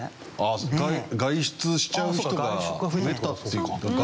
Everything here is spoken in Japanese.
外出しちゃう人が増えたっていう事？